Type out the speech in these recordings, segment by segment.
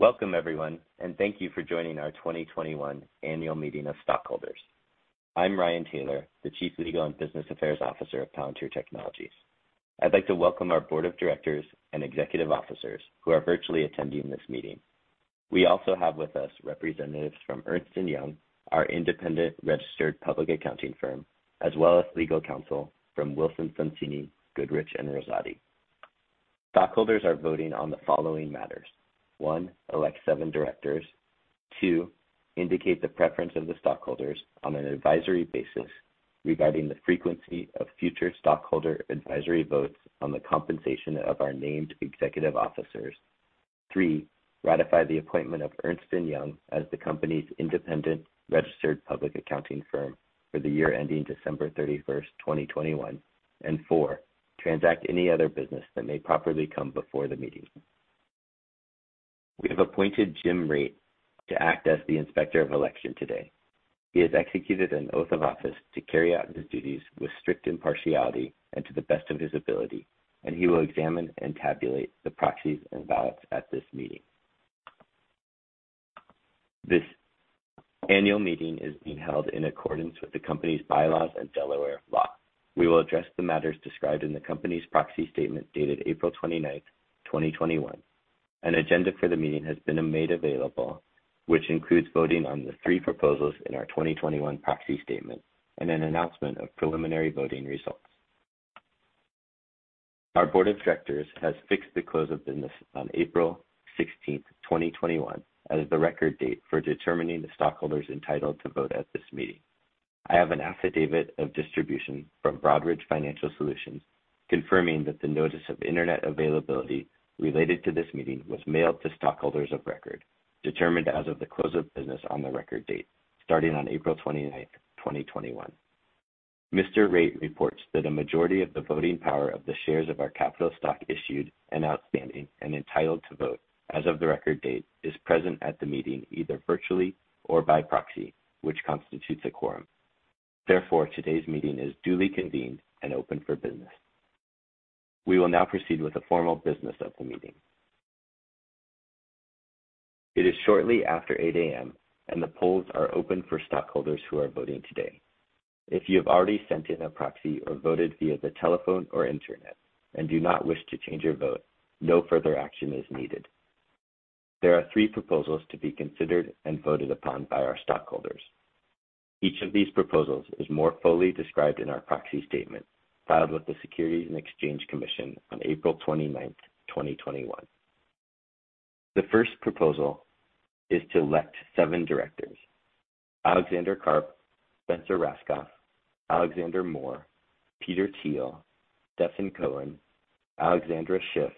Welcome everyone, and thank you for joining our 2021 Annual Meeting of Stockholders. I'm Ryan Taylor, the Chief Legal and Business Affairs Officer of Palantir Technologies. I'd like to welcome our board of directors and executive officers who are virtually attending this meeting. We also have with us representatives from Ernst & Young, our independent registered public accounting firm, as well as legal counsel from Wilson Sonsini Goodrich & Rosati. Stockholders are voting on the following matters: one, elect seven directors. Two, indicate the preference of the stockholders on an advisory basis regarding the frequency of future stockholder advisory votes on the compensation of our named executive officers. Three, ratify the appointment of Ernst & Young as the company's independent registered public accounting firm for the year ending December 31st, 2021, and four, transact any other business that may properly come before the meeting. We have appointed Jim Pate to act as the Inspector of Election today. He has executed an oath of office to carry out his duties with strict impartiality and to the best of his ability, and he will examine and tabulate the proxies and ballots at this meeting. This annual meeting is being held in accordance with the company's bylaws and Delaware law. We will address the matters described in the company's proxy statement dated April 29th, 2021. An agenda for the meeting has been made available, which includes voting on the three proposals in our 2021 proxy statement and an announcement of preliminary voting results. Our Board of Directors has fixed the close of business on April 16th, 2021, as the record date for determining the stockholders entitled to vote at this meeting. I have an affidavit of distribution from Broadridge Financial Solutions confirming that the notice of internet availability related to this meeting was mailed to stockholders of record, determined as of the close of business on the record date starting on April 29th, 2021. Mr. Pate reports that a majority of the voting power of the shares of our capital stock issued and outstanding and entitled to vote as of the record date is present at the meeting, either virtually or by proxy, which constitutes a quorum. Therefore, today's meeting is duly convened and open for business. We will now proceed with the formal business of the meeting. It is shortly after 8:00 A.M., and the polls are open for stockholders who are voting today. If you have already sent in a proxy or voted via the telephone or internet and do not wish to change your vote, no further action is needed. There are three proposals to be considered and voted upon by our stockholders. Each of these proposals is more fully described in our proxy statement filed with the Securities and Exchange Commission on April 29th, 2021. The first proposal is to elect seven directors, Alexander Karp, Spencer Rascoff, Alexander Moore, Peter Thiel, Stephen Cohen, Alexandra Schiff,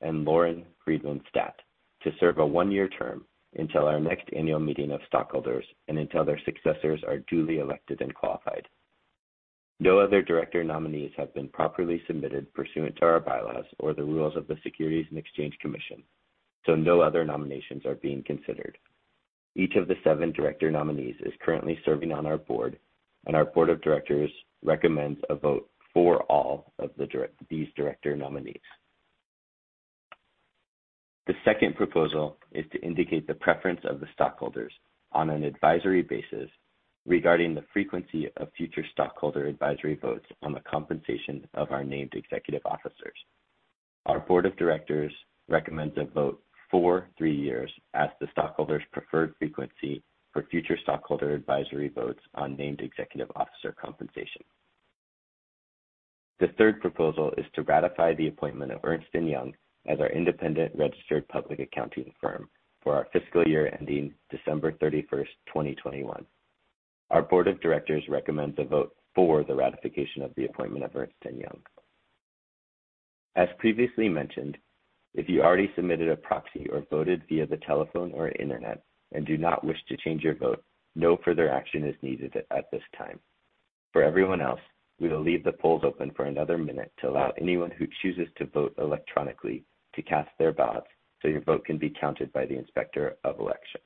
and Lauren Friedman Stat, to serve a one-year term until our next annual meeting of stockholders and until their successors are duly elected and qualified. No other director nominees have been properly submitted pursuant to our bylaws or the rules of the Securities and Exchange Commission, so no other nominations are being considered. Each of the seven director nominees is currently serving on our board, and our board of directors recommends a vote for all of these director nominees. The second proposal is to indicate the preference of the stockholders on an advisory basis regarding the frequency of future stockholder advisory votes on the compensation of our named executive officers. Our board of directors recommends a vote for three years as the stockholders' preferred frequency for future stockholder advisory votes on named executive officer compensation. The third proposal is to ratify the appointment of Ernst & Young as our independent registered public accounting firm for our fiscal year ending December 31st, 2021. Our board of directors recommends a vote for the ratification of the appointment of Ernst & Young. As previously mentioned, if you already submitted a proxy or voted via the telephone or internet and do not wish to change your vote, no further action is needed at this time. For everyone else, we will leave the polls open for another minute to allow anyone who chooses to vote electronically to cast their ballots so your vote can be counted by the Inspector of Election.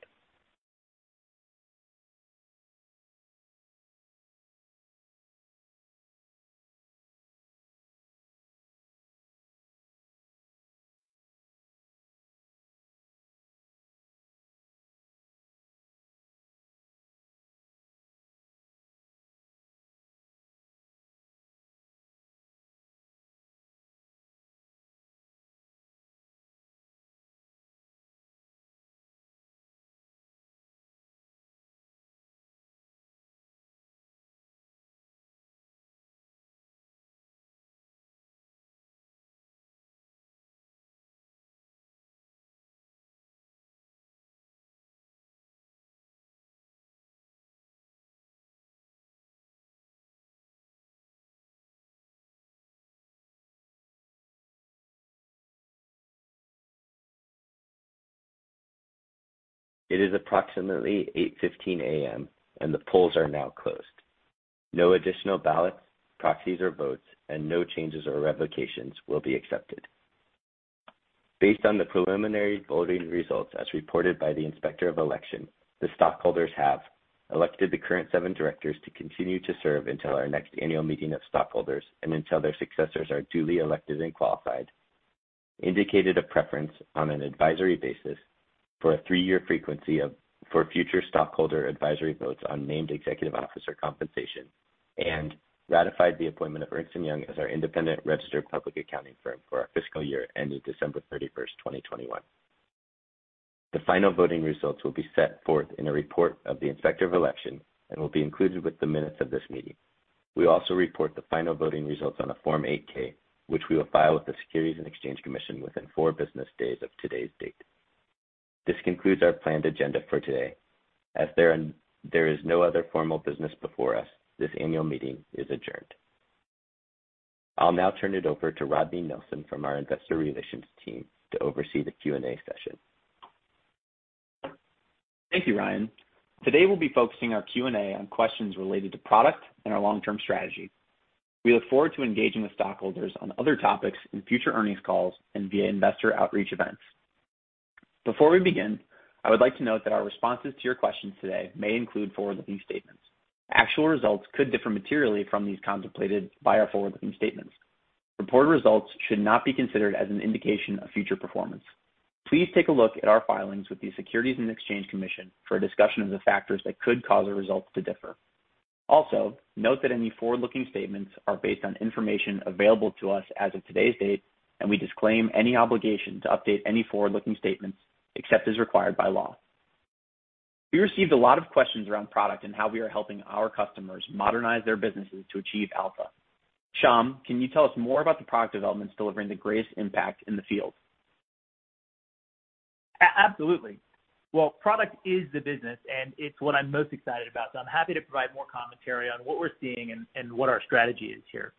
It is approximately 8:15 A.M., and the polls are now closed. No additional ballots, proxies, or votes and no changes or revocations will be accepted. Based on the preliminary voting results as reported by the Inspector of Election, the stockholders have elected the current seven directors to continue to serve until our next annual meeting of stockholders and until their successors are duly elected and qualified. Indicated a preference on an advisory basis for a three-year frequency for future stockholder advisory votes on named executive officer compensation and ratified the appointment of Ernst & Young as our independent registered public accounting firm for our fiscal year ending December 31st, 2021. The final voting results will be set forth in a report of the effective election and will be included with the minutes of this meeting. We also report the final voting results on a Form 8-K, which we'll file with the Securities and Exchange Commission within four business days of today's date. This concludes our planned agenda for today. As there is no other formal business before us, this annual meeting is adjourned. I'll now turn it over to Rodney Nelson from our Investor Relations team to oversee the Q&A session. Thank you, Ryan. Today, we'll be focusing our Q&A on questions related to product and our long-term strategy. We look forward to engaging with stockholders on other topics in future earnings calls and via investor outreach events. Before we begin, I would like to note that our responses to your questions today may include forward-looking statements. Actual results could differ materially from these contemplated via forward-looking statements. Reported results should not be considered as an indication of future performance. Please take a look at our filings with the Securities and Exchange Commission for a discussion of the factors that could cause the results to differ. Note that any forward-looking statements are based on information available to us as of today's date, and we disclaim any obligation to update any forward-looking statements except as required by law. We received a lot of questions around product and how we are helping our customers modernize their businesses to achieve alpha. Shyam, can you tell us more about the product developments delivering the greatest impact in the field? Absolutely. Well, product is the business, and it's what I'm most excited about. I'm happy to provide more commentary on what we're seeing and what our strategy is here.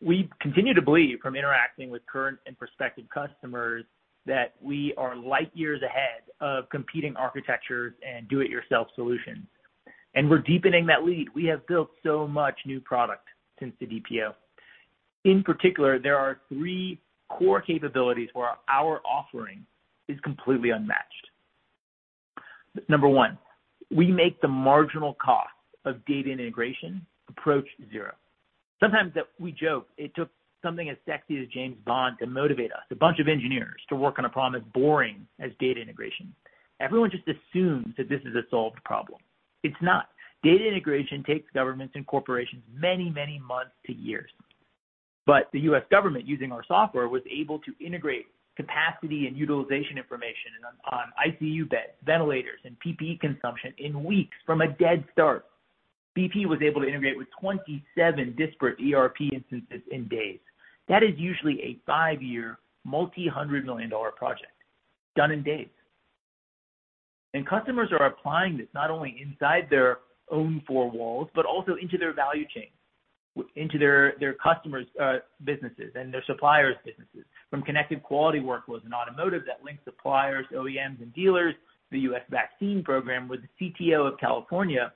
We continue to believe from interacting with current and prospective customers that we are light years ahead of competing architectures and do-it-yourself solutions. We're deepening that lead. We have built so much new product since the DPO. In particular, there are three core capabilities where our offering is completely unmatched. Number one, we make the marginal cost of data integration approach zero. Sometimes we joke it took something as sexy as James Bond to motivate us, a bunch of engineers, to work on a problem as boring as data integration. Everyone just assumes that this is a solved problem. It's not. Data integration takes governments and corporations many, many months to years. The U.S. government, using our software, was able to integrate capacity and utilization information on ICU beds, ventilators, and PPE consumption in weeks from a dead start. BP was able to integrate with 27 disparate ERP instances in days. That is usually a five-year multi-hundred-million-dollar project done in days. Customers are applying this not only inside their own four walls but also into their value chains, into their customers' businesses and their suppliers' businesses. From connected quality workflows in automotive that link suppliers, OEMs, and dealers. The U.S. vaccine program with the CTO of California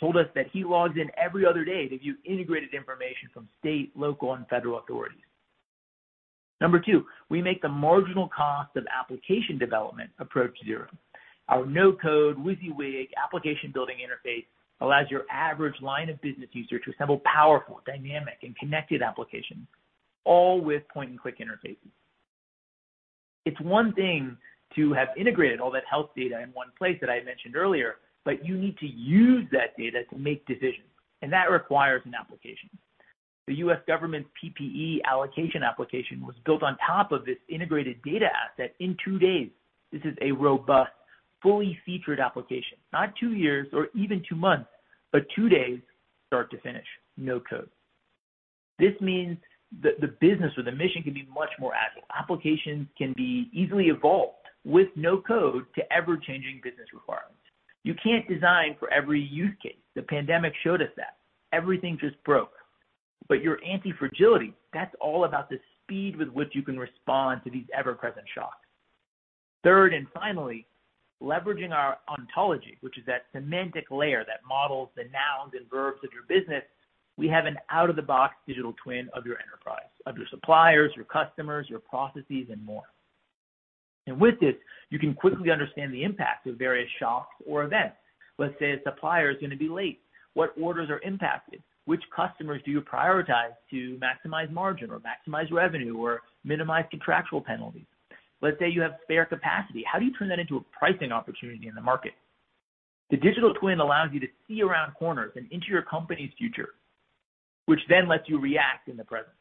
told us that he logs in every other day to view integrated information from state, local, and federal authorities. Number two, we make the marginal cost of application development approach zero Our no-code, WYSIWYG application-building interface allows your average line of business user to assemble powerful, dynamic, and connected applications, all with point-and-click interfaces. It's one thing to have integrated all that health data in one place that I mentioned earlier, but you need to use that data to make decisions, and that requires an application. The U.S. government's PPE allocation application was built on top of this integrated data asset in two days. This is a robust, fully featured application. Not two years or even two months, but two days start to finish. No code. This means that the business or the mission can be much more agile. Applications can be easily evolved with no code to ever-changing business requirements. You can't design for every use case. The pandemic showed us that. Everything just broke. Your anti-fragility, that's all about the speed with which you can respond to these ever-present shocks. Third, and finally, leveraging our ontology, which is that semantic layer that models the nouns and verbs of your business, we have an out-of-the-box digital twin of your enterprise, of your suppliers, your customers, your processes, and more. With this, you can quickly understand the impact of various shocks or events. Let's say a supplier is going to be late. What orders are impacted? Which customers do you prioritize to maximize margin or maximize revenue or minimize contractual penalties? Let's say you have spare capacity. How do you turn that into a pricing opportunity in the market? The digital twin allows you to see around corners and into your company's future, which then lets you react in the present.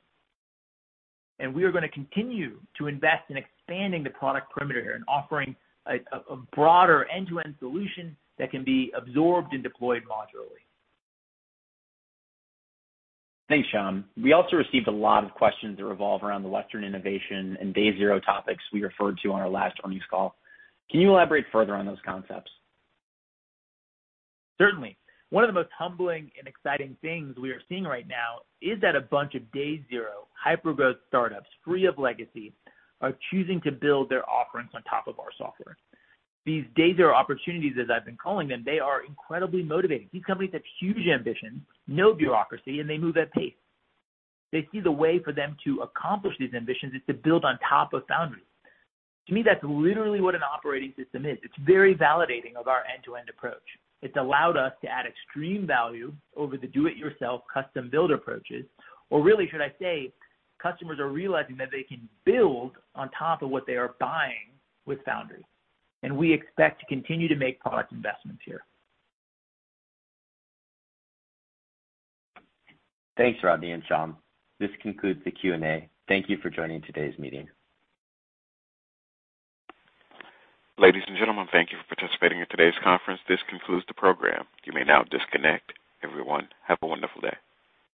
We are going to continue to invest in expanding the product perimeter and offering a broader end-to-end solution that can be absorbed and deployed modularly. Thanks, Shyam. We also received a lot of questions that revolve around the lecture innovation and Day Zero topics we referred to on our last earnings call. Can you elaborate further on those concepts? Certainly. One of the most humbling and exciting things we are seeing right now is that a bunch of Day Zero hyper-growth startups free of legacy are choosing to build their offerings on top of our software. These Day Zero opportunities, as I've been calling them, they are incredibly motivating. These companies have huge ambitions, no bureaucracy, and they move at pace. They see the way for them to accomplish these ambitions is to build on top of Foundry. To me, that's literally what an operating system is. It's very validating of our end-to-end approach. It's allowed us to add extreme value over the do-it-yourself custom build approaches. Or really, should I say, customers are realizing that they can build on top of what they are buying with Foundry, and we expect to continue to make product investments here. Thanks, Rodney and Shyam. This concludes the Q&A. Thank you for joining today's meeting. Ladies and gentlemen, thank you for participating in today's conference. This concludes the program. You may now disconnect. Everyone, have a wonderful day.